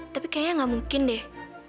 tapi kayaknya gak mungkin deh